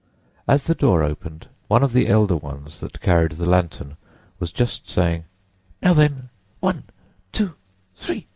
As the door opened, one of the elder ones that carried the lantern was just saying, "Now then, one, two, three!"